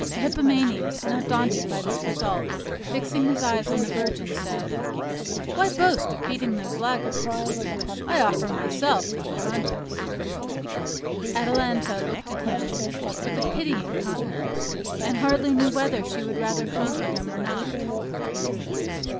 Hippomenes, not daunted by this result, fixing his eyes on the virgin, said, "Why boast of beating those laggards? I offer myself for the contest." Atalanta looked at him with a pitying countenance, and hardly knew whether she would rather conquer him or not.